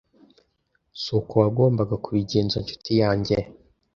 Suko wagombaga kubigenza ncuti yanjye